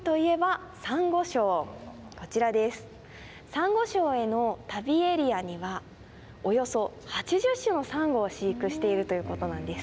「サンゴ礁への旅エリア」にはおよそ８０種のサンゴを飼育しているということなんです。